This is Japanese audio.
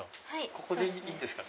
ここでいいんですか？